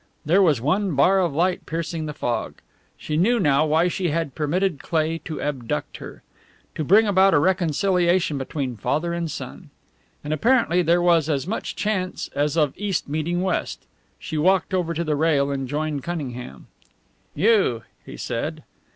There was one bar of light piercing the fog. She knew now why she had permitted Cleigh to abduct her. To bring about a reconciliation between father and son. And apparently there was as much chance as of east meeting west. She walked over to the rail and joined Cunningham. "You?" he said.